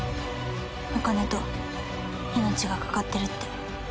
お金と命が懸かってるって」